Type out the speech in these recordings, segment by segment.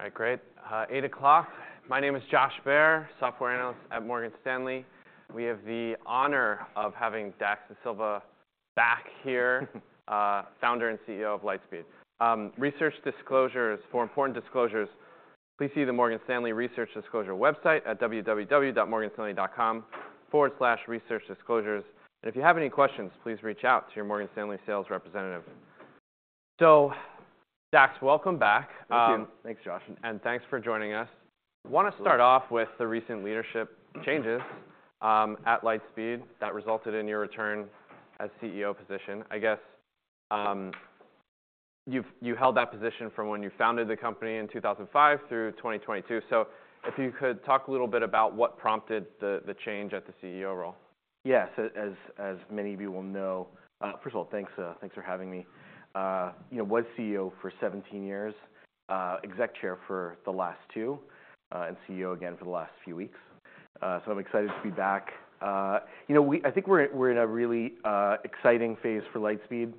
All right, great. 8 o'clock. My name is Josh Baer, Software Analyst at Morgan Stanley. We have the honor of having Dax Dasilva back here, founder and CEO of Lightspeed. For research disclosures for important disclosures, please see the Morgan Stanley Research Disclosure website at www.morganstanley.com/researchdisclosures. If you have any questions, please reach out to your Morgan Stanley sales representative. Dax, welcome back. Thank you. Thanks, Josh. Thanks for joining us. Wanna start off with the recent leadership changes at Lightspeed that resulted in your return as CEO position? I guess, you've held that position from when you founded the company in 2005 through 2022. So if you could talk a little bit about what prompted the change at the CEO role? Yeah. So, as many of you will know, first of all, thanks for having me. You know, was CEO for 17 years, exec chair for the last two, and CEO again for the last few weeks. So I'm excited to be back. You know, we I think we're in a really exciting phase for Lightspeed.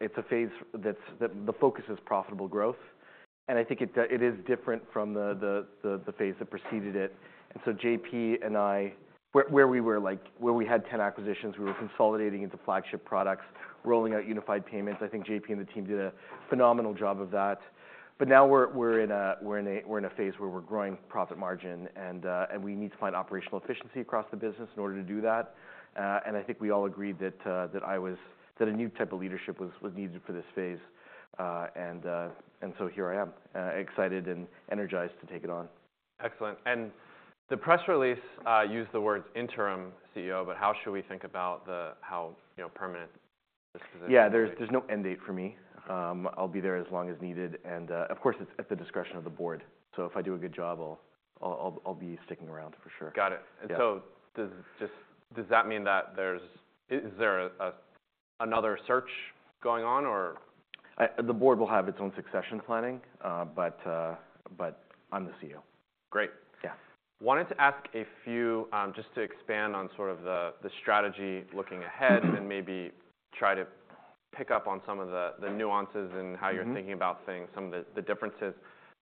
It's a phase that's the focus is profitable growth. And I think it is different from the phase that preceded it. And so JP and I where we were, like, where we had 10 acquisitions, we were consolidating into flagship products, rolling out unified payments. I think JP and the team did a phenomenal job of that. But now we're in a phase where we're growing profit margin. We need to find operational efficiency across the business in order to do that. I think we all agreed that a new type of leadership was needed for this phase. So here I am, excited and energized to take it on. Excellent. The press release used the words interim CEO, but how should we think about how, you know, permanent this position is? Yeah. There's no end date for me. I'll be there as long as needed. And, of course, it's at the discretion of the board. So if I do a good job, I'll be sticking around for sure. Got it. And so does that just mean that there's another search going on, or? I. The board will have its own succession planning. But I'm the CEO. Great. Yeah. Wanted to ask a few, just to expand on sort of the strategy looking ahead and maybe try to pick up on some of the nuances in how you're thinking about things, some of the differences.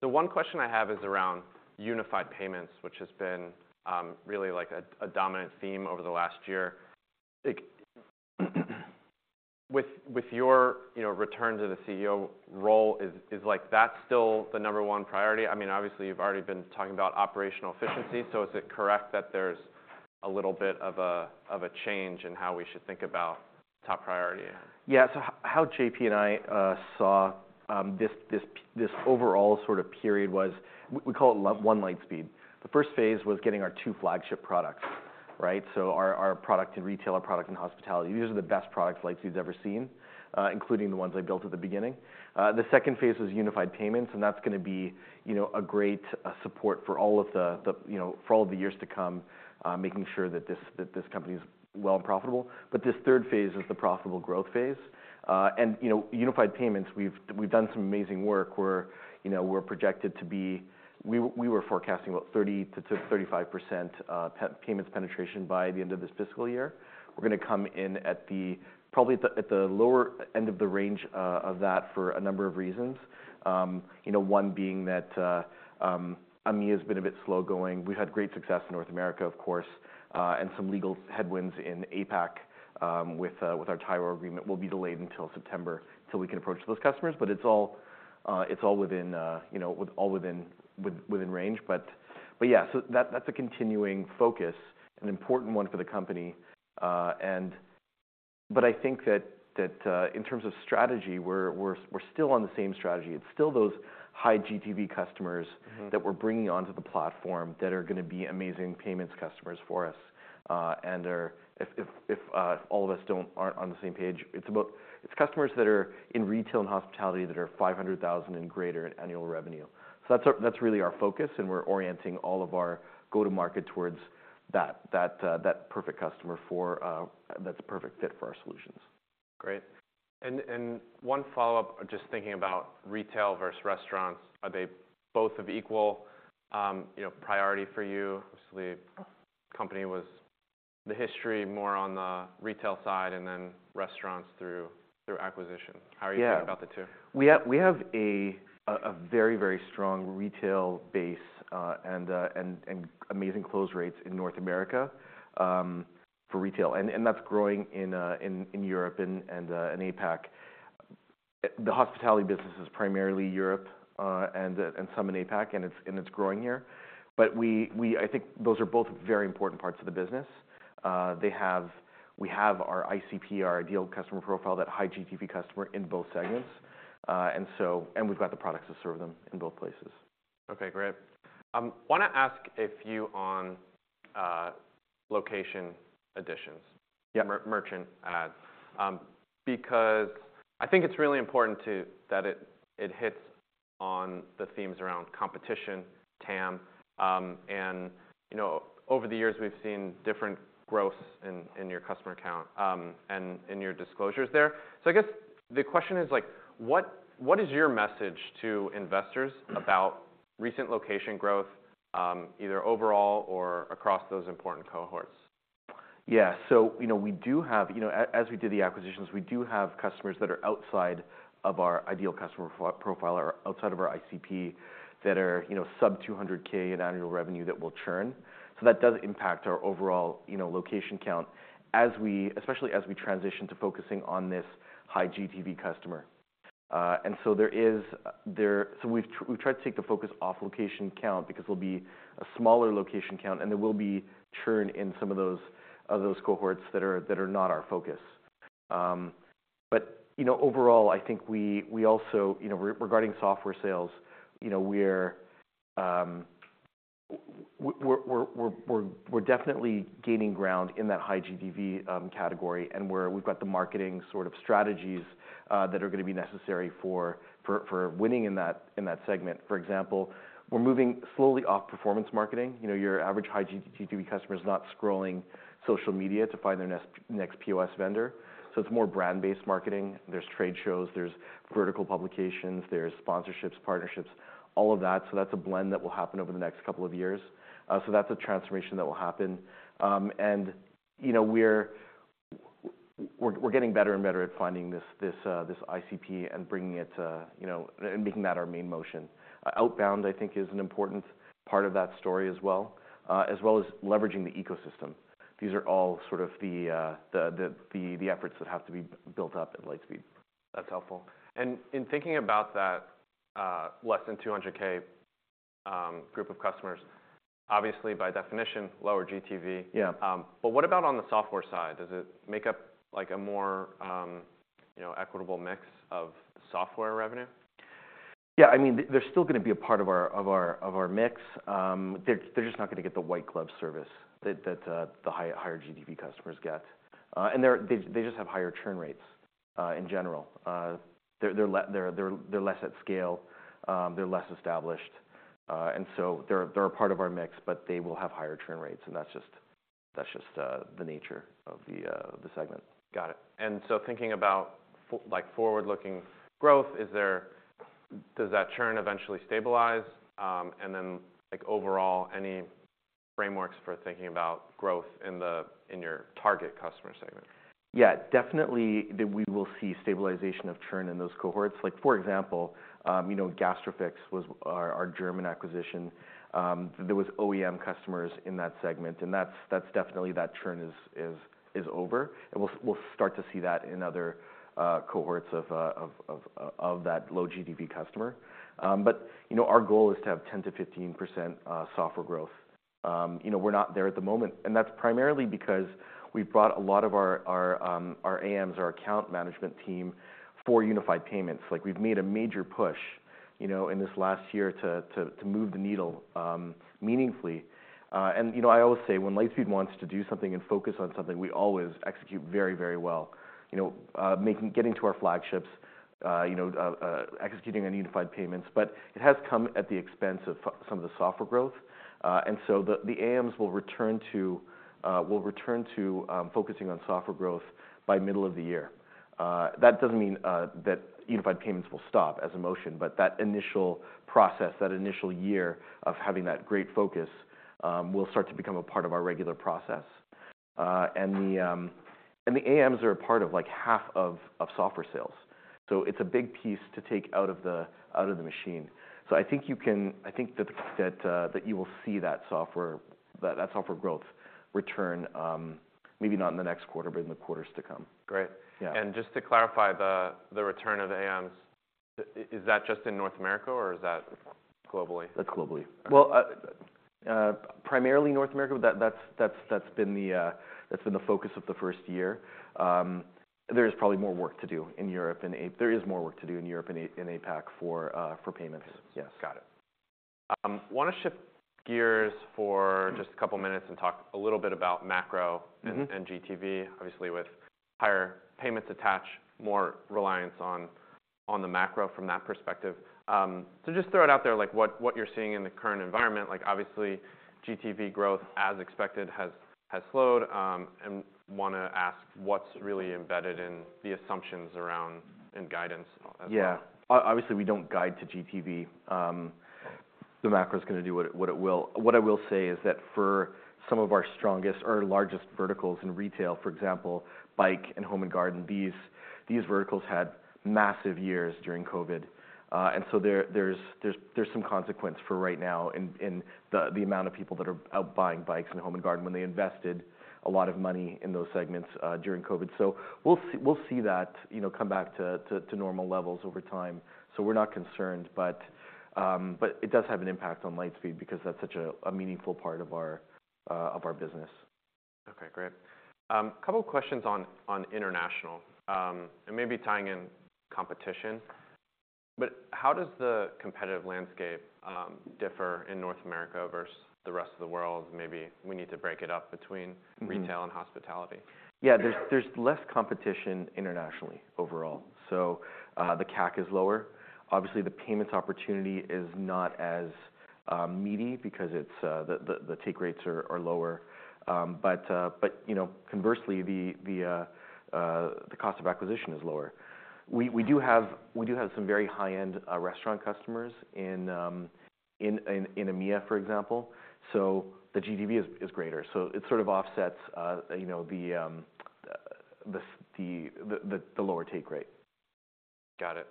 The one question I have is around Unified Payments, which has been really, like, a dominant theme over the last year. Like, with your, you know, return to the CEO role, is that still the number one priority? I mean, obviously, you've already been talking about operational efficiency. So is it correct that there's a little bit of a change in how we should think about top priority? Yeah. So how JP and I saw this overall sort of period was we call it One Lightspeed. The first phase was getting our two flagship products, right? So our product in retail, our product in hospitality. These are the best products Lightspeed's ever seen, including the ones I built at the beginning. The second phase was unified payments. And that's gonna be, you know, a great support for all of the years to come, making sure that this company's well and profitable. But this third phase is the profitable growth phase. And, you know, unified payments, we've done some amazing work where, you know, we're projected to be we were forecasting about 30%-35% payments penetration by the end of this fiscal year. We're gonna come in at probably the lower end of the range for a number of reasons. You know, one being that EMEA has been a bit slow going. We've had great success in North America, of course, and some legal headwinds in APAC with our Tyro agreement. We'll be delayed until September till we can approach those customers. But it's all within, you know, within range. But yeah. So that's a continuing focus, an important one for the company. But I think that in terms of strategy, we're still on the same strategy. It's still those high GTV customers. Mm-hmm. That we're bringing onto the platform that are gonna be amazing payments customers for us, and are, if all of us aren't on the same page, it's about customers that are in retail and hospitality that are $500,000 and greater in annual revenue. So that's really our focus. And we're orienting all of our go-to-market towards that perfect customer, that's a perfect fit for our solutions. Great. And one follow-up, just thinking about retail versus restaurants, are they both of equal, you know, priority for you? Obviously, company was the history more on the retail side and then restaurants through acquisition. How are you thinking about the two? Yeah. We have a very, very strong retail base, and amazing close rates in North America, for retail. And that's growing in Europe and in APAC. The hospitality business is primarily Europe, and some in APAC. And it's growing here. But I think those are both very important parts of the business. We have our ICP, our ideal customer profile, that high GTV customer in both segments. And we've got the products to serve them in both places. Okay. Great. Wanna ask a few on location additions. Yeah. Merchant adds, because I think it's really important that it hits on the themes around competition, TAM. And you know, over the years, we've seen different growths in your customer count, and in your disclosures there. So I guess the question is, like, what is your message to investors about recent location growth, either overall or across those important cohorts? Yeah. So, you know, we do have, you know, as we did the acquisitions, we do have customers that are outside of our ideal customer profile or outside of our ICP that are, you know, sub-$200,000 in annual revenue that will churn. So that does impact our overall, you know, location count especially as we transition to focusing on this high GTV customer. And so there is, so we've tried to take the focus off location count because there'll be a smaller location count, and there will be churn in some of those cohorts that are not our focus. But, you know, overall, I think we also, you know, regarding software sales, you know, we're definitely gaining ground in that high GTV category. And we've got the marketing sort of strategies that are gonna be necessary for winning in that segment. For example, we're moving slowly off performance marketing. You know, your average high GTV customer's not scrolling social media to find their next POS vendor. So it's more brand-based marketing. There's trade shows. There's vertical publications. There's sponsorships, partnerships, all of that. So that's a blend that will happen over the next couple of years. So that's a transformation that will happen. And, you know, we're getting better and better at finding this ICP and bringing it to, you know, and making that our main motion. outbound, I think, is an important part of that story as well as leveraging the ecosystem. These are all sort of the efforts that have to be built up at Lightspeed. That's helpful. And in thinking about that, less than $200K group of customers, obviously, by definition, lower GTV. Yeah. But what about on the software side? Does it make up, like, a more, you know, equitable mix of software revenue? Yeah. I mean, they're still gonna be a part of our mix. They're just not gonna get the white glove service that the higher GTV customers get. And they just have higher churn rates, in general. They're less at scale. They're less established. And so they're a part of our mix, but they will have higher churn rates. And that's just the nature of the segment. Got it. So, thinking about forward-looking growth, does that churn eventually stabilize? Then, like, overall, any frameworks for thinking about growth in your target customer segment? Yeah. Definitely, that we will see stabilization of churn in those cohorts. Like, for example, you know, Gastrofix was our German acquisition. There was OEM customers in that segment. And that's definitely that churn is over. And we'll start to see that in other cohorts of that low GTV customer. But, you know, our goal is to have 10%-15% software growth. You know, we're not there at the moment. And that's primarily because we've brought a lot of our AMs, our account management team for unified payments. Like, we've made a major push, you know, in this last year to move the needle, meaningfully. And, you know, I always say, when Lightspeed wants to do something and focus on something, we always execute very, very well. You know, making getting to our flagships, you know, executing on unified payments. But it has come at the expense of some of the software growth. So the AMs will return to focusing on software growth by middle of the year. That doesn't mean that unified payments will stop as a motion. But that initial process, that initial year of having that great focus, will start to become a part of our regular process. And the AMs are a part of, like, half of software sales. So it's a big piece to take out of the machine. So I think that you will see that software growth return, maybe not in the next quarter, but in the quarters to come. Great. Yeah. Just to clarify the return of AMs, is that just in North America, or is that globally? That's globally. Well, primarily North America. That's been the focus of the first year. There is probably more work to do in Europe in EMEA in APAC for payments. Yes. Got it. Wanna shift gears for just a couple minutes and talk a little bit about macro and, and GTV, obviously, with higher payments attached, more reliance on, on the macro from that perspective. So just throw it out there, like, what, what you're seeing in the current environment. Like, obviously, GTV growth, as expected, has, has slowed. And wanna ask, what's really embedded in the assumptions around and guidance as well? Yeah. Obviously, we don't guide to GTV. The macro's gonna do what it will. What I will say is that for some of our strongest, largest verticals in retail, for example, bike and home and garden, these verticals had massive years during COVID. And so there's some consequence for right now in the amount of people that are out buying bikes and home and garden when they invested a lot of money in those segments during COVID. So we'll see that, you know, come back to normal levels over time. So we're not concerned. But it does have an impact on Lightspeed because that's such a meaningful part of our business. Okay. Great. Couple questions on international, and maybe tying in competition. But how does the competitive landscape differ in North America versus the rest of the world? Maybe we need to break it up between retail and hospitality. Yeah. There's less competition internationally overall. So, the CAC is lower. Obviously, the payments opportunity is not as meaty because it's the take rates are lower. But, you know, conversely, the cost of acquisition is lower. We do have some very high-end restaurant customers in EMEA, for example. So the GTV is greater. So it sort of offsets, you know, the lower take rate. Got it.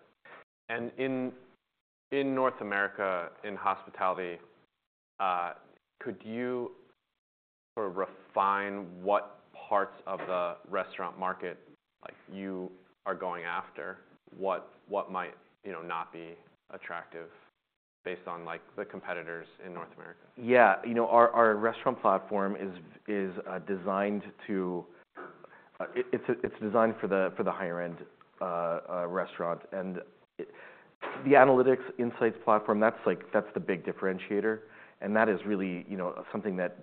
And in North America in hospitality, could you sort of refine what parts of the restaurant market, like, you are going after? What might, you know, not be attractive based on, like, the competitors in North America? Yeah. You know, our restaurant platform is designed. It's designed for the higher-end restaurant. And the analytics insights platform, that's, like, the big differentiator. And that is really, you know, something that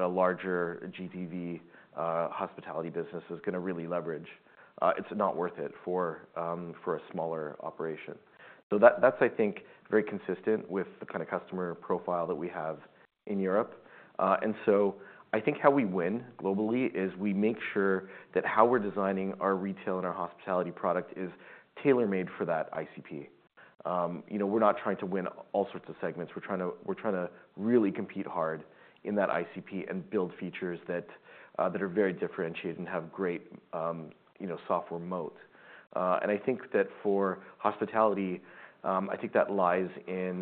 a larger GTV hospitality business is gonna really leverage. It's not worth it for a smaller operation. So that's, I think, very consistent with the kind of customer profile that we have in Europe. And so I think how we win globally is we make sure that how we're designing our retail and our hospitality product is tailor-made for that ICP. You know, we're not trying to win all sorts of segments. We're trying to really compete hard in that ICP and build features that are very differentiated and have great, you know, software moat. I think that for hospitality, I think that lies in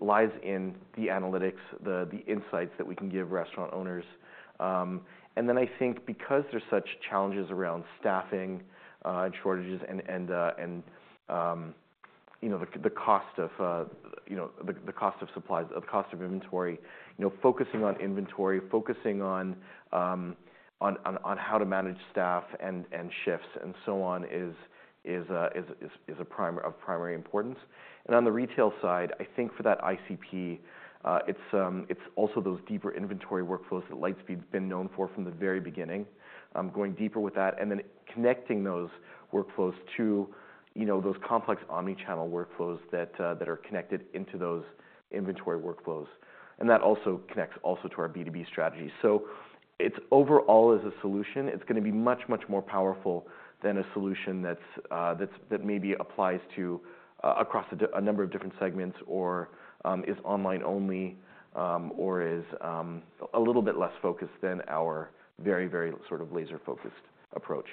the analytics, the insights that we can give restaurant owners. And then I think because there's such challenges around staffing, and shortages and, you know, the cost of supplies, the cost of inventory, you know, focusing on inventory, focusing on how to manage staff and shifts and so on is of primary importance. And on the retail side, I think for that ICP, it's also those deeper inventory workflows that Lightspeed's been known for from the very beginning, going deeper with that and then connecting those workflows to, you know, those complex omnichannel workflows that are connected into those inventory workflows. And that also connects to our B2B strategy. So it's overall as a solution, it's gonna be much, much more powerful than a solution that's that maybe applies across a number of different segments or is online only, or is a little bit less focused than our very, very sort of laser-focused approach.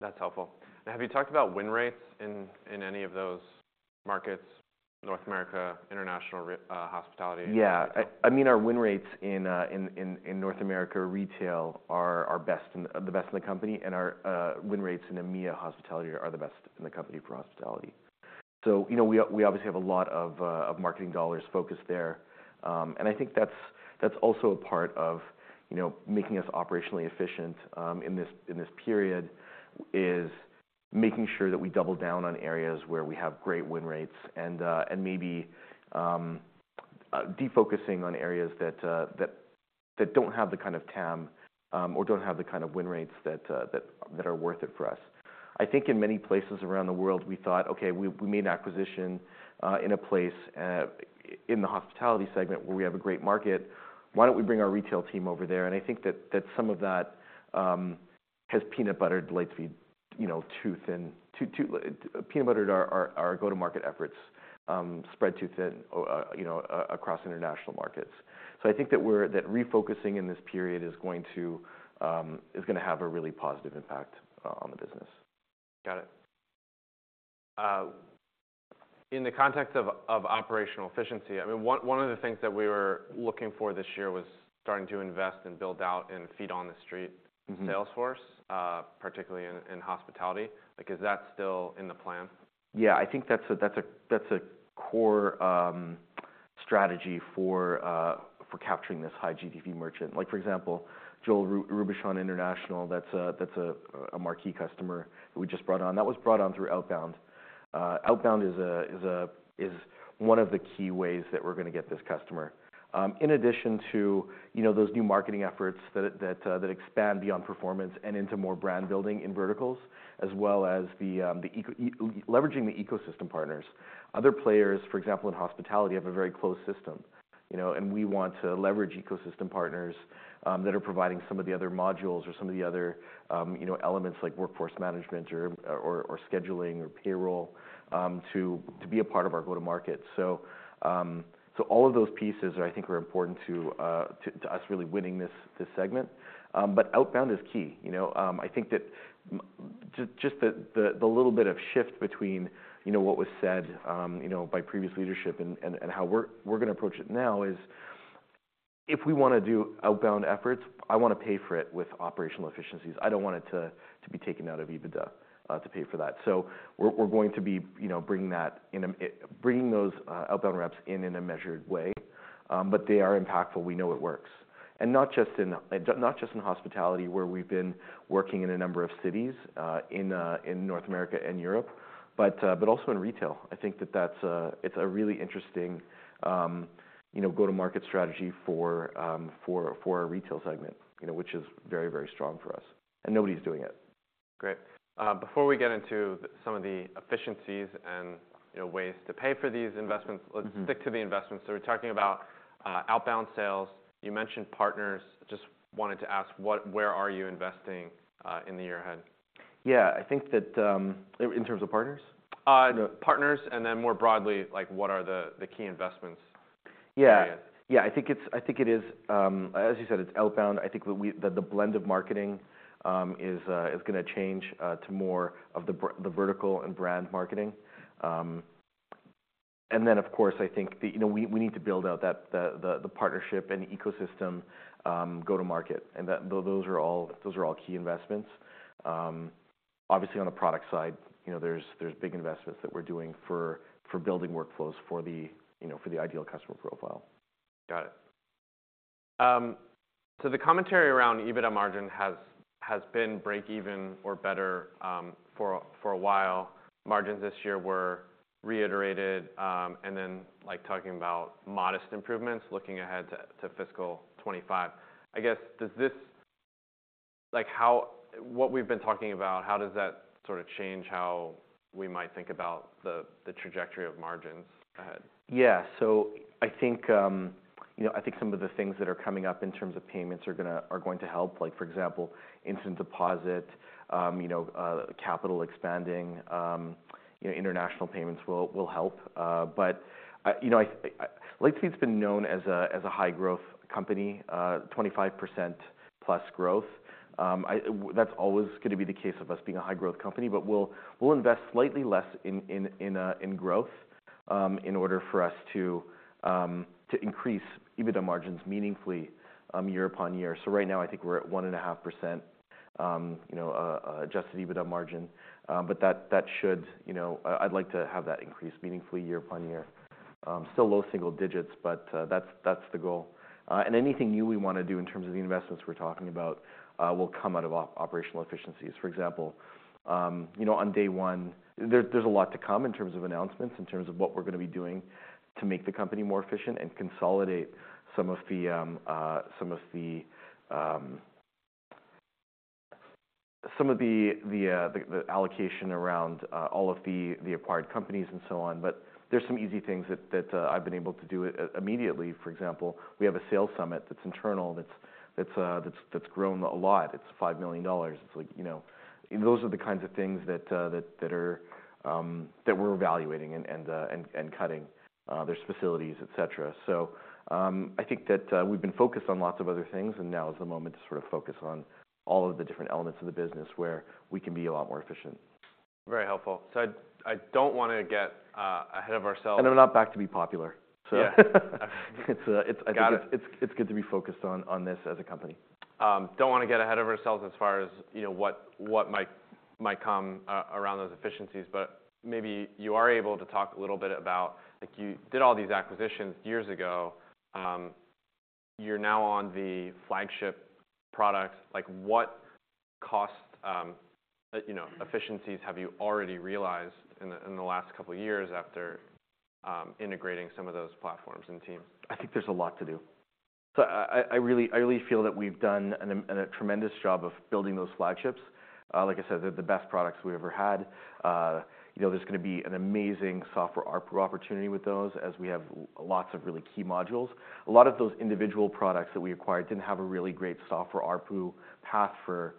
That's helpful. Have you talked about win rates in any of those markets, North America, international re hospitality? Yeah. I mean, our win rates in North America retail are the best in the company. And our win rates in EMEA hospitality are the best in the company for hospitality. So, you know, we obviously have a lot of marketing dollars focused there. And I think that's also a part of, you know, making us operationally efficient in this period is making sure that we double down on areas where we have great win rates and maybe defocusing on areas that don't have the kind of TAM or don't have the kind of win rates that are worth it for us. I think in many places around the world, we thought, "Okay. We made an acquisition in a place in the hospitality segment where we have a great market. Why don't we bring our retail team over there?" And I think that some of that has peanut-buttered Lightspeed, you know, too thin, peanut-buttered our go-to-market efforts, spread too thin, you know, across international markets. So I think that we're refocusing in this period is gonna have a really positive impact on the business. Got it. In the context of operational efficiency, I mean, one of the things that we were looking for this year was starting to invest and build out and field on-the-street sales force, particularly in hospitality. Like, is that still in the plan? Yeah. I think that's a core strategy for capturing this high GTV merchant. Like, for example, Joël Robuchon International, that's a marquee customer that we just brought on. That was brought on through outbound. Outbound is one of the key ways that we're gonna get this customer. In addition to, you know, those new marketing efforts that expand beyond performance and into more brand building in verticals as well as the ecosystem leveraging the ecosystem partners. Other players, for example, in hospitality have a very closed system, you know? And we want to leverage ecosystem partners that are providing some of the other modules or some of the other, you know, elements like workforce management or scheduling or payroll to be a part of our go-to-market. So, all of those pieces are, I think, important to us really winning this segment. But outbound is key, you know? I think that just the little bit of shift between, you know, what was said, you know, by previous leadership and how we're gonna approach it now is if we wanna do outbound efforts, I wanna pay for it with operational efficiencies. I don't want it to be taken out of EBITDA to pay for that. So we're going to be, you know, bringing that in EMEA, bringing those outbound reps in a measured way. But they are impactful. We know it works. And not just in high-end, not just in hospitality where we've been working in a number of cities in North America and Europe, but also in retail. I think that that's, it's a really interesting, you know, go-to-market strategy for our retail segment, you know, which is very, very strong for us. And nobody's doing it. Great. Before we get into some of the efficiencies and, you know, ways to pay for these investments, let's stick to the investments. So we're talking about outbound sales. You mentioned partners. Just wanted to ask, what, where are you investing in the year ahead? Yeah. I think that, I in terms of partners? No. Partners and then more broadly, like, what are the key investment areas? Yeah. Yeah. I think it is, as you said, it's outbound. I think that the blend of marketing is gonna change to more of the vertical and brand marketing. And then, of course, I think, you know, we need to build out that the partnership and ecosystem go-to-market. And that those are all key investments. Obviously, on the product side, you know, there are big investments that we're doing for building workflows for the ideal customer profile. Got it. So the commentary around EBITDA margin has been break-even or better, for a while. Margins this year were reiterated, and then, like, talking about modest improvements looking ahead to fiscal 2025. I guess, does this like, how what we've been talking about, how does that sort of change how we might think about the trajectory of margins ahead? Yeah. So I think, you know, I think some of the things that are coming up in terms of payments are going to help. Like, for example, instant deposit, you know, capital expanding, you know, international payments will help. But I, you know, Lightspeed's been known as a high-growth company, 25%+ growth. That's always gonna be the case of us being a high-growth company. But we'll invest slightly less in growth, in order for us to increase Adjusted EBITDA margins meaningfully, year upon year. So right now, I think we're at 1.5%, you know, adjusted EBITDA margin. But that should, you know, I'd like to have that increased meaningfully year upon year. Still low single digits, but that's the goal. and anything new we wanna do in terms of the investments we're talking about, will come out of operational efficiencies. For example, you know, on day one, there's a lot to come in terms of announcements in terms of what we're gonna be doing to make the company more efficient and consolidate some of the allocation around all of the acquired companies and so on. But there's some easy things that I've been able to do immediately. For example, we have a sales summit that's internal that's grown a lot. It's $5 million. It's like, you know those are the kinds of things that we're evaluating and cutting, their facilities, etc. So, I think that we've been focused on lots of other things. Now is the moment to sort of focus on all of the different elements of the business where we can be a lot more efficient. Very helpful. So I don't wanna get ahead of ourselves. And I'm not back to be popular, so. Yeah. Okay. It's, I think it's good to be focused on this as a company. Don't wanna get ahead of ourselves as far as, you know, what might come around those efficiencies. But maybe you are able to talk a little bit about like, you did all these acquisitions years ago. You're now on the flagship products. Like, what cost, you know, efficiencies have you already realized in the last couple of years after integrating some of those platforms and teams? I think there's a lot to do. So I really feel that we've done an immense and a tremendous job of building those flagships. Like I said, they're the best products we've ever had. You know, there's gonna be an amazing software RPU opportunity with those as we have lots of really key modules. A lot of those individual products that we acquired didn't have a really great software RPU path for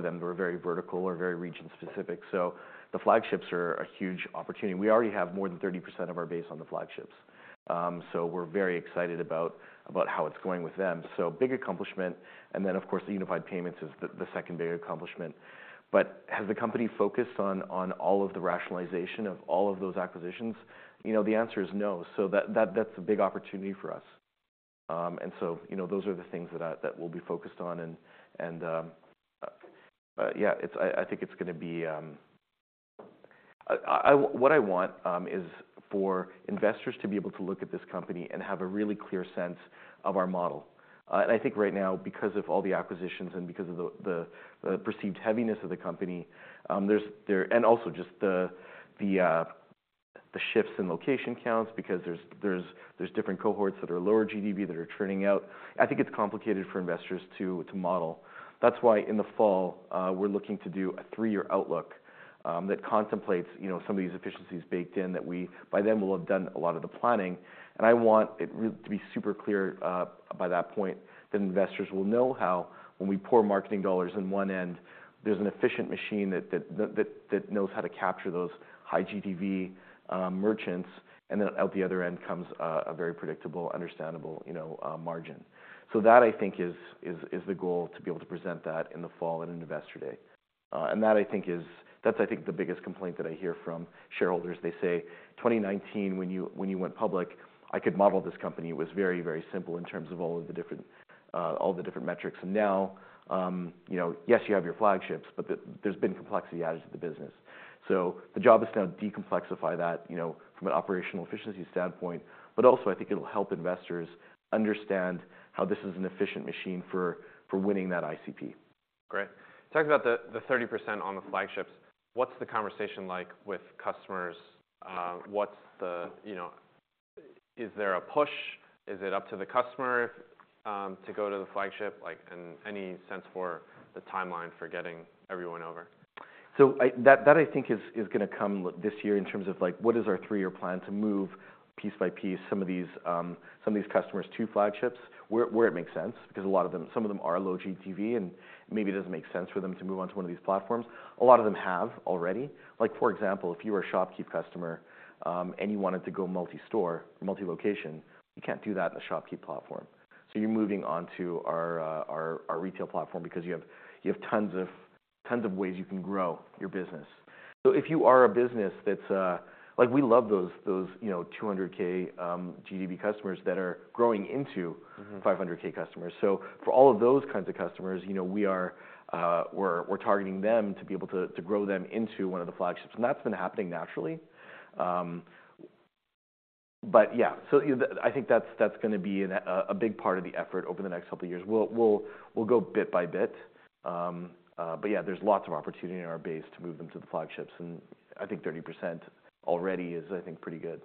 them. They were very vertical or very region-specific. So the flagships are a huge opportunity. We already have more than 30% of our base on the flagships. So we're very excited about how it's going with them. So big accomplishment. And then, of course, the unified payments is the second big accomplishment. But has the company focused on all of the rationalization of all of those acquisitions? You know, the answer is no. So that's a big opportunity for us. And so, you know, those are the things that we'll be focused on, and but yeah. It's, I think it's gonna be what I want, is for investors to be able to look at this company and have a really clear sense of our model. And I think right now, because of all the acquisitions and because of the perceived heaviness of the company, there's, and also just the shifts in location counts because there's different cohorts that are lower GTV that are churning out. I think it's complicated for investors to model. That's why in the fall, we're looking to do a three-year outlook that contemplates, you know, some of these efficiencies baked in that we by then, we'll have done a lot of the planning. And I want it really to be super clear, by that point that investors will know how when we pour marketing dollars in one end, there's an efficient machine that knows how to capture those high GTV merchants. And then out the other end comes a very predictable, understandable, you know, margin. So that, I think, is the goal to be able to present that in the fall at an investor day. And that, I think, is the biggest complaint that I hear from shareholders. They say, "2019, when you went public, I could model this company. It was very, very simple in terms of all of the different, all the different metrics. And now, you know, yes, you have your flagships, but there's been complexity added to the business. So the job is to now decomplexify that, you know, from an operational efficiency standpoint. But also, I think it'll help investors understand how this is an efficient machine for, for winning that ICP. Great. Talking about the 30% on the flagships, what's the conversation like with customers? What's the, you know, is there a push? Is it up to the customer if to go to the flagship? Like, any sense for the timeline for getting everyone over? So I think that is gonna come in this year in terms of, like, what is our three-year plan to move piece by piece some of these customers to flagships where it makes sense because a lot of them, some of them are low GTV. And maybe it doesn't make sense for them to move on to one of these platforms. A lot of them have already. Like, for example, if you were a ShopKeep customer, and you wanted to go multi-store, multi-location, you can't do that in the ShopKeep platform. So you're moving on to our retail platform because you have tons of ways you can grow your business. So if you are a business that's, like, we love those, you know, $200K GTV customers that are growing into $500K customers. So for all of those kinds of customers, you know, we're targeting them to be able to grow them into one of the flagships. And that's been happening naturally. But yeah. So I think that's gonna be a big part of the effort over the next couple of years. We'll go bit by bit. But yeah. There's lots of opportunity in our base to move them to the flagships. And I think 30% already is, I think, pretty good.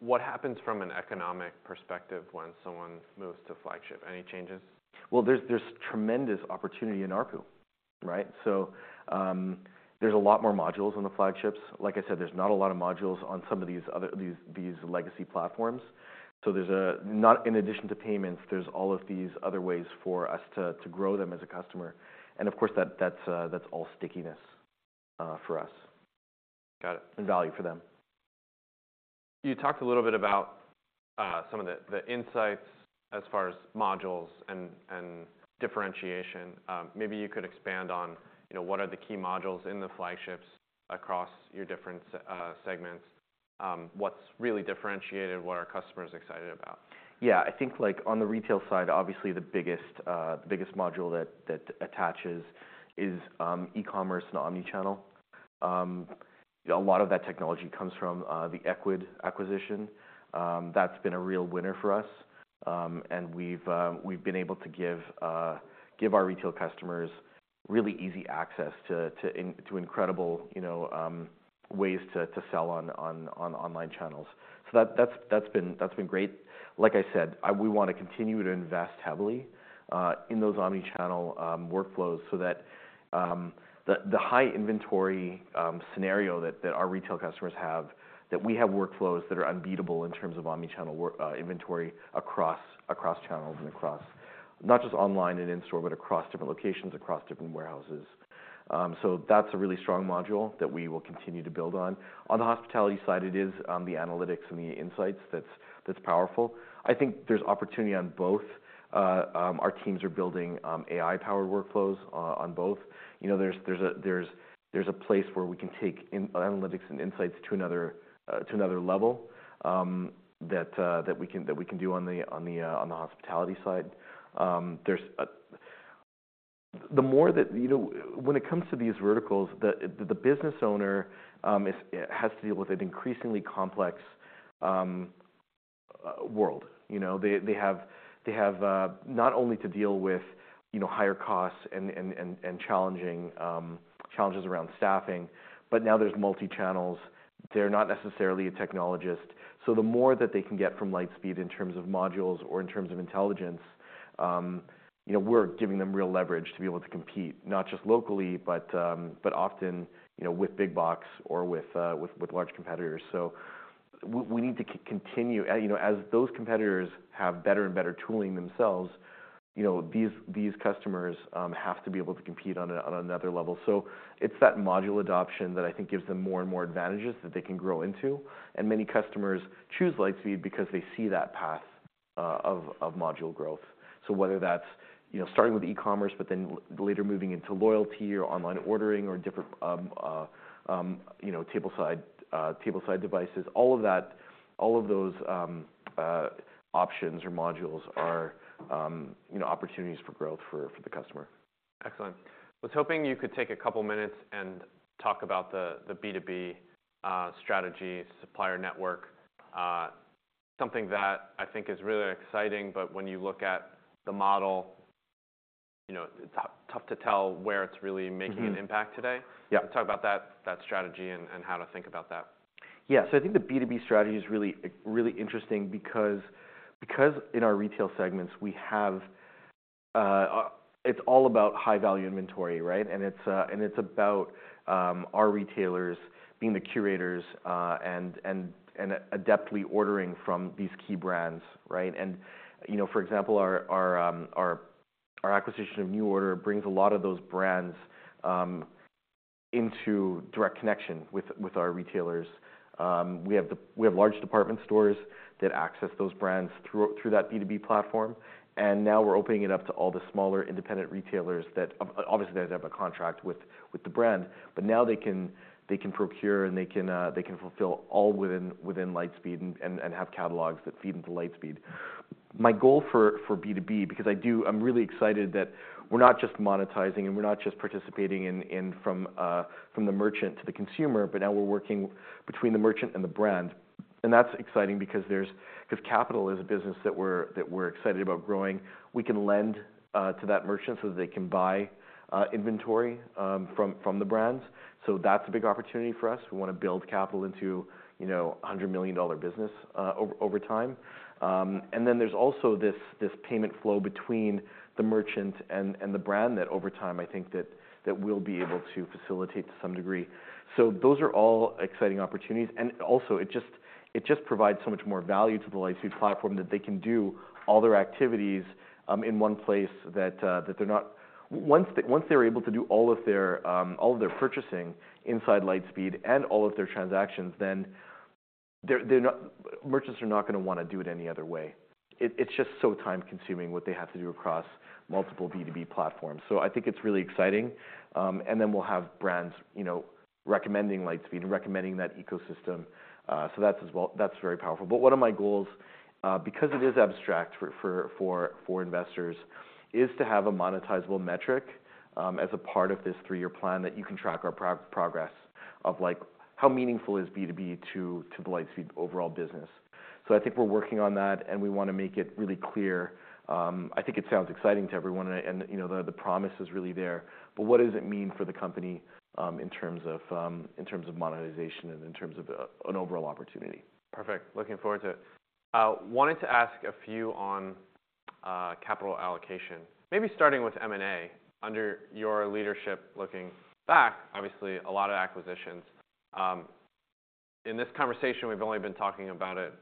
What happens from an economic perspective when someone moves to flagship? Any changes? Well, there's tremendous opportunity in RPU, right? So, there's a lot more modules on the flagships. Like I said, there's not a lot of modules on some of these other legacy platforms. So, not in addition to payments, there's all of these other ways for us to grow them as a customer. And of course, that's all stickiness for us. Got it. Value for them. You talked a little bit about, some of the, the insights as far as modules and, and differentiation. Maybe you could expand on, you know, what are the key modules in the flagships across your different segments? What's really differentiated? What are customers excited about? Yeah. I think, like, on the retail side, obviously, the biggest, the biggest module that, that attaches is e-commerce and omnichannel. You know, a lot of that technology comes from the Ecwid acquisition. That's been a real winner for us. And we've, we've been able to give, give our retail customers really easy access to, to into incredible, you know, ways to, to sell on, on, on online channels. So that, that's, that's been great. Like I said, we wanna continue to invest heavily in those omnichannel workflows so that the high inventory scenario that our retail customers have, we have workflows that are unbeatable in terms of omnichannel workflow inventory across channels and across not just online and in-store but across different locations, across different warehouses. So that's a really strong module that we will continue to build on. On the hospitality side, it is the analytics and the insights that's powerful. I think there's opportunity on both. Our teams are building AI-powered workflows on both. You know, there's a place where we can take in analytics and insights to another level that we can do on the hospitality side. There's the more that you know, when it comes to these verticals, the business owner has to deal with an increasingly complex world. You know, they have not only to deal with higher costs and challenging challenges around staffing, but now there's multi-channels. They're not necessarily a technologist. So the more that they can get from Lightspeed in terms of modules or in terms of intelligence, you know, we're giving them real leverage to be able to compete, not just locally but often, you know, with big box or with large competitors. So we need to continue, you know, as those competitors have better and better tooling themselves, you know, these customers have to be able to compete on another level. So it's that module adoption that I think gives them more and more advantages that they can grow into. And many customers choose Lightspeed because they see that path of module growth. So whether that's, you know, starting with e-commerce but then later moving into loyalty or online ordering or different, you know, tableside, tableside devices, all of that, all of those options or modules are, you know, opportunities for growth for the customer. Excellent. I was hoping you could take a couple minutes and talk about the B2B strategy, supplier network, something that I think is really exciting. But when you look at the model, you know, it's tough to tell where it's really making an impact today. Mm-hmm. Yeah. Talk about that, that strategy and, and how to think about that. Yeah. So I think the B2B strategy is really, really interesting because in our retail segments, we have, it's all about high-value inventory, right? And it's about our retailers being the curators and adeptly ordering from these key brands, right? And, you know, for example, our acquisition of NuORDER brings a lot of those brands into direct connection with our retailers. We have large department stores that access those brands through that B2B platform. And now we're opening it up to all the smaller independent retailers that obviously they have a contract with the brand. But now they can procure and they can fulfill all within Lightspeed and have catalogs that feed into Lightspeed. My goal for B2B because I do, I'm really excited that we're not just monetizing, and we're not just participating in from the merchant to the consumer. But now we're working between the merchant and the brand. And that's exciting because capital is a business that we're excited about growing. We can lend to that merchant so that they can buy inventory from the brands. So that's a big opportunity for us. We wanna build capital into, you know, $100 million business over time. And then there's also this payment flow between the merchant and the brand that over time, I think, we'll be able to facilitate to some degree. So those are all exciting opportunities. And also, it just provides so much more value to the Lightspeed platform that they can do all their activities in one place, that once they're able to do all of their purchasing inside Lightspeed and all of their transactions, then they're not—merchants are not gonna wanna do it any other way. It's just so time-consuming what they have to do across multiple B2B platforms. So I think it's really exciting. Then we'll have brands, you know, recommending Lightspeed and recommending that ecosystem. So that's as well. That's very powerful. But one of my goals, because it is abstract for investors, is to have a monetizable metric as a part of this three-year plan that you can track our progress of, like, how meaningful is B2B to the Lightspeed overall business. So I think we're working on that. And we wanna make it really clear. I think it sounds exciting to everyone. And you know, the promise is really there. But what does it mean for the company, in terms of monetization and in terms of an overall opportunity? Perfect. Looking forward to it. Wanted to ask a few on capital allocation, maybe starting with M&A. Under your leadership, looking back, obviously, a lot of acquisitions. In this conversation, we've only been talking about it,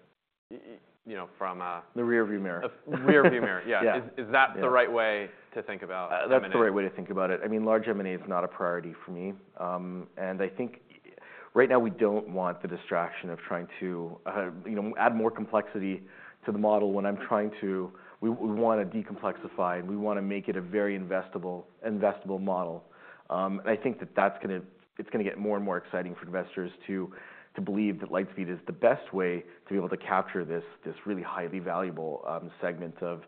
you know, from, The rearview mirror. The rearview mirror. Yeah. Yeah. Is that the right way to think about M&A? That's the right way to think about it. I mean, large M&A is not a priority for me. And I think, right now, we don't want the distraction of trying to, you know, add more complexity to the model when I'm trying to, we wanna decomplexify, and we wanna make it a very investible model. And I think that's gonna get more and more exciting for investors to believe that Lightspeed is the best way to be able to capture this really highly valuable segment of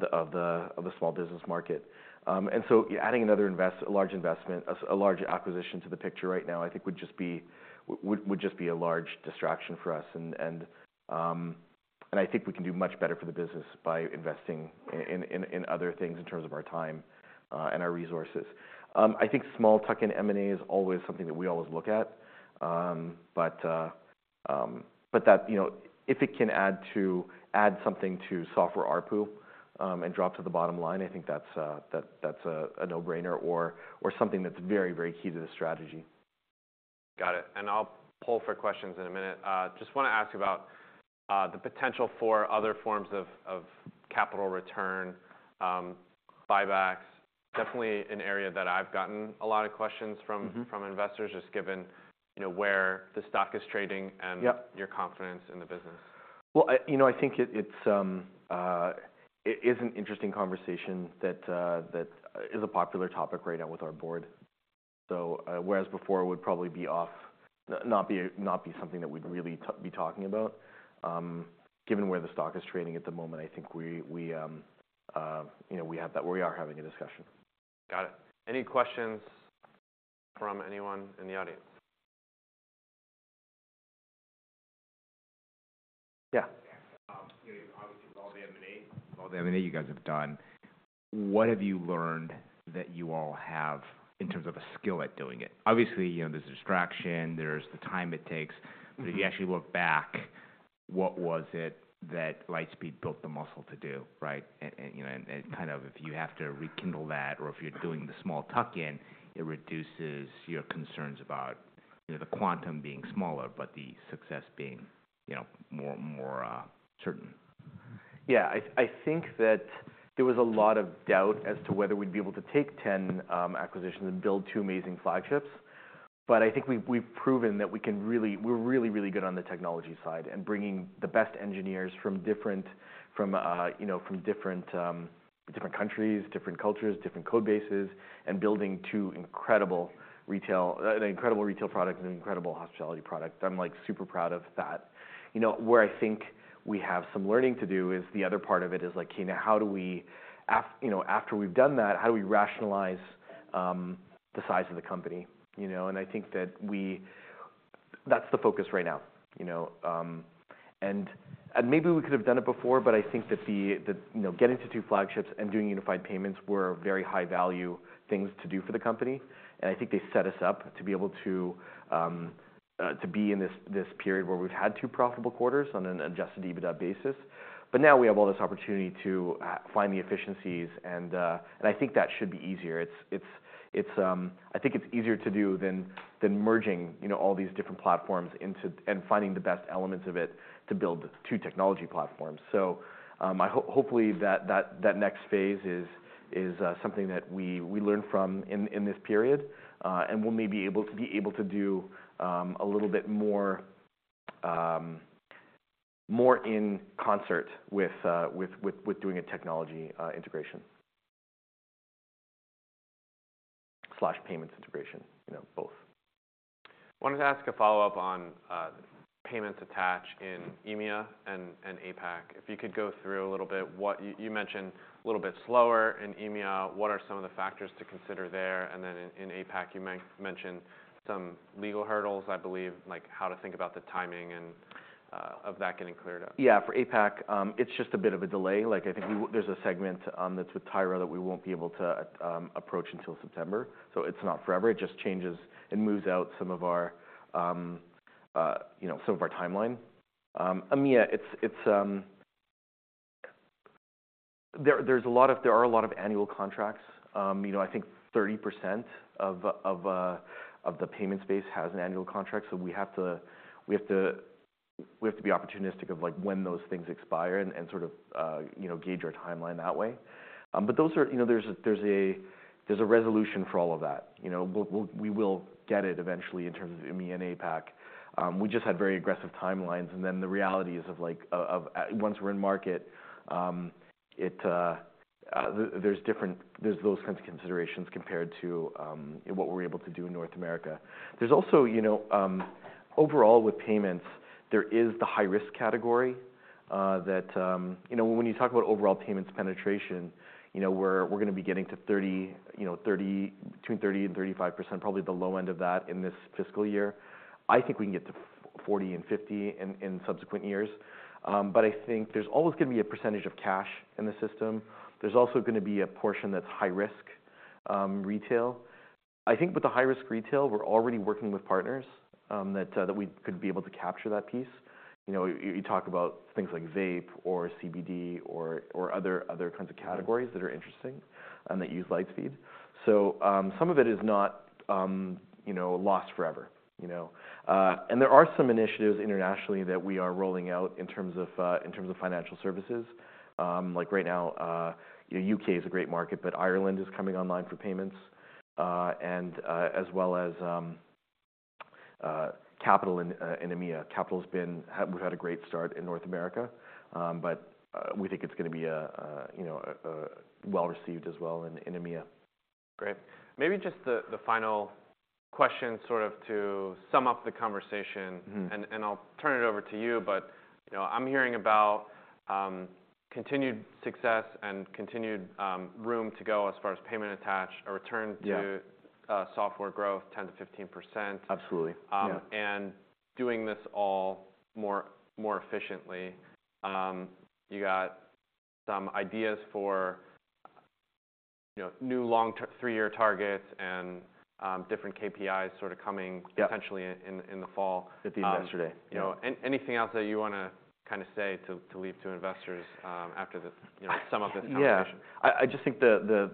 the small business market. And so adding another large investment, a large acquisition to the picture right now, I think, would just be a large distraction for us. I think we can do much better for the business by investing in other things in terms of our time, and our resources. I think small tuck-in M&A is always something that we always look at. But that, you know, if it can add something to software RPU, and drop to the bottom line, I think that's a no-brainer or something that's very, very key to the strategy. Got it. And I'll pull for questions in a minute. Just wanna ask about the potential for other forms of capital return, buybacks. Definitely an area that I've gotten a lot of questions from. Mm-hmm. From investors just given, you know, where the stock is trading and. Yep. Your confidence in the business. Well, you know, I think it's an interesting conversation that is a popular topic right now with our board. So, whereas before, it would probably not be something that we'd really be talking about, given where the stock is trading at the moment, I think we, you know, we are having a discussion. Got it. Any questions from anyone in the audience? Yeah. You know, you've obviously with all the M&A with all the M&A you guys have done, what have you learned that you all have in terms of a skill at doing it? Obviously, you know, there's a distraction. There's the time it takes. But if you actually look back, what was it that Lightspeed built the muscle to do, right? And, you know, and kind of if you have to rekindle that or if you're doing the small tuck-in, it reduces your concerns about, you know, the quantum being smaller but the success being, you know, more, more certain. Yeah. I think that there was a lot of doubt as to whether we'd be able to take 10 acquisitions and build 2 amazing flagships. But I think we've proven that we can really we're really good on the technology side and bringing the best engineers from different, you know, from different countries, different cultures, different code bases, and building 2 incredible retail an incredible retail product and an incredible hospitality product. I'm like super proud of that. You know, where I think we have some learning to do is the other part of it is, like, okay, now how do we after, you know, after we've done that, how do we rationalize the size of the company? You know, and I think that we that's the focus right now, you know. And maybe we could have done it before. But I think that that, you know, getting to two flagships and doing unified payments were very high-value things to do for the company. And I think they set us up to be able to, to be in this, this period where we've had two profitable quarters on an adjusted EBITDA basis. But now, we have all this opportunity to, find the efficiencies. And, and I think that should be easier. It's, it's, it's, I think it's easier to do than, than merging, you know, all these different platforms into and finding the best elements of it to build two technology platforms. So, hopefully, that next phase is something that we learn from in this period, and we'll maybe be able to do a little bit more in concert with doing a technology integration/payments integration, you know, both. Wanted to ask a follow-up on payments attach in EMEA and APAC. If you could go through a little bit what you mentioned a little bit slower in EMEA. What are some of the factors to consider there? And then in APAC, you mentioned some legal hurdles, I believe, like how to think about the timing and of that getting cleared up. Yeah. For APAC, it's just a bit of a delay. Like, I think there's a segment, that's with Tyro that we won't be able to approach until September. So it's not forever. It just changes, it moves out some of our, you know, some of our timeline. EMEA, it's, there's a lot of annual contracts. You know, I think 30% of the payment space has an annual contract. So we have to be opportunistic of, like, when those things expire and sort of, you know, gauge our timeline that way. But those are, you know, there's a resolution for all of that. You know, we'll get it eventually in terms of EMEA and APAC. We just had very aggressive timelines. Then the reality is, like, once we're in market, it, there's different, there's those kinds of considerations compared to, you know, what we're able to do in North America. There's also, you know, overall with payments, there is the high-risk category, that, you know, when you talk about overall payments penetration, you know, we're, we're gonna be getting to 30, you know, 30 between 30%-35%, probably the low end of that in this fiscal year. I think we can get to 40%-50% in subsequent years. I think there's always gonna be a percentage of cash in the system. There's also gonna be a portion that's high-risk, retail. I think with the high-risk retail, we're already working with partners, that we could be able to capture that piece. You know, you talk about things like vape or CBD or other kinds of categories that are interesting, that use Lightspeed. So, some of it is not, you know, lost forever, you know. And there are some initiatives internationally that we are rolling out in terms of financial services. Like, right now, you know, U.K. is a great market. But Ireland is coming online for payments, and as well as capital in EMEA. Capital's been we've had a great start in North America. But we think it's gonna be a you know, a well-received as well in EMEA. Great. Maybe just the final question sort of to sum up the conversation. Mm-hmm. And I'll turn it over to you. But, you know, I'm hearing about continued success and continued room to go as far as payment attach, a return to. Yeah. software growth, 10%-15%. Absolutely. Yeah. Doing this all more efficiently. You got some ideas for, you know, new long-term three-year targets and different KPIs sort of coming. Yeah. Potentially in the fall. At the Investor Day. You know, anything else that you wanna kinda say to leave to investors, after the you know, sum up this conversation? Yeah. I just think the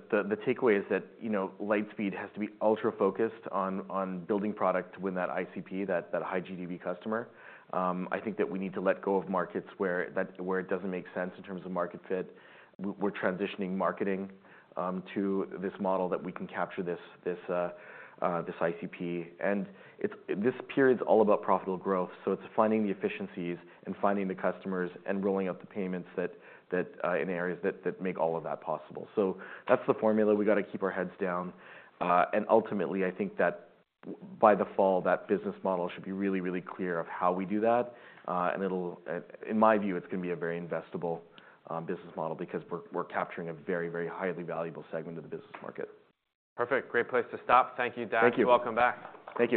takeaway is that, you know, Lightspeed has to be ultra-focused on building product to win that ICP, that high-GTV customer. I think that we need to let go of markets where it doesn't make sense in terms of market fit. We're transitioning marketing to this model that we can capture this ICP. And it's this period's all about profitable growth. So it's finding the efficiencies and finding the customers and rolling out the payments that in areas that make all of that possible. So that's the formula. We gotta keep our heads down. And ultimately, I think that by the fall, that business model should be really, really clear of how we do that. And it'll, in my view, it's gonna be a very investible business model because we're capturing a very, very highly valuable segment of the business market. Perfect. Great place to stop. Thank you, Dax. Thank you. Welcome back. Thank you.